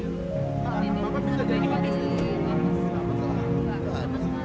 yang biasa ini sama dengan konversi yang hampas